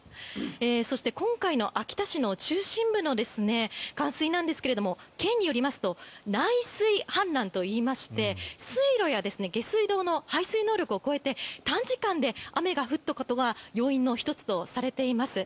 そして今回の秋田市の中心部の冠水ですが県によりますと内水氾濫といいまして水路や下水道の排水能力を超えて短時間で雨が降ったことが要因の１つとされています。